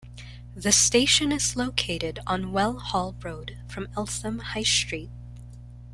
The station is located on Well Hall Road, from Eltham High Street.